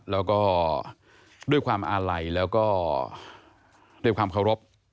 แล้วก็ด้วยความอาลัยแล้วก็ด้วยความเคารพ